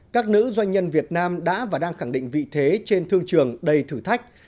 các nữ doanh nhân việt nam đã và đang khẳng định vị thế trên thương trường đầy thử thách